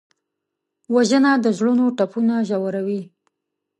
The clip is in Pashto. وژنه د زړونو ټپونه ژوروي